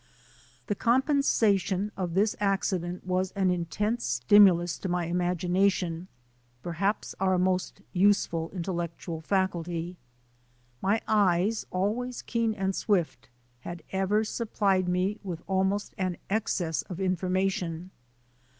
The compensation of this accident was an in tense stimulus to my imagination — perhaps our most useful intellectual faculty. My eyes, always keen and swift, had ever supplied me with almost an excess of information.